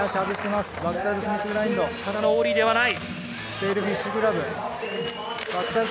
ただのオーリーではない。